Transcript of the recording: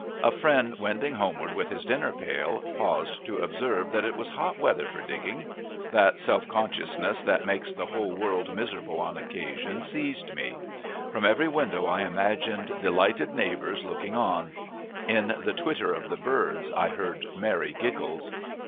A friend, wending homeward with his dinnerpail, paused to observe that it was hot weather for digging. That self consciousness that makes the whole world miserable on occasion seized me. From every window I imagined delighted neighbors looking on; in the twitter of the birds I heard merry giggles.